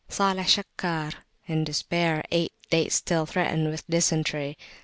Salih Shakkar in despair ate dates till threatened with a dysentery.